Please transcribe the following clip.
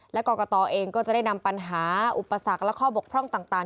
และกรกตเองก็จะได้นำปัญหาอุปสรรคและข้อบกพร่องต่าง